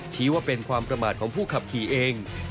ชี้ว่าเป็นความประมาทของผู้ขับขี่เอง